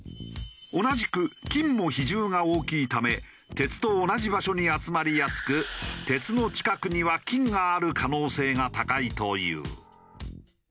同じく金も比重が大きいため鉄と同じ場所に集まりやすく鉄の近くには金がある可能性が高いという。